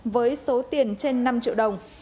với số tiền trên năm triệu đồng